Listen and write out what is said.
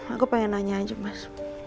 aku pengen nanya aja mas